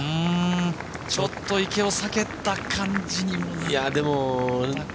ちょっと池を避けた感じにもなったか。